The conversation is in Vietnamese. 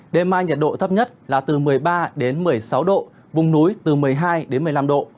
đêm mai nhiệt độ thấp nhất là từ một mươi ba đến một mươi sáu độ vùng núi từ một mươi hai đến một mươi năm độ